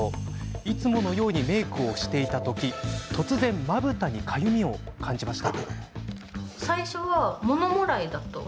いつものようにメークをしていた時突然、まぶたにかゆみを感じました。